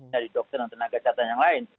dari dokter dan tenaga kesehatan yang lain